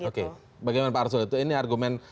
oke bagaimana pak arzul itu ini argumen